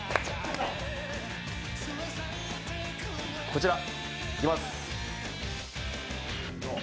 こちら、いきます。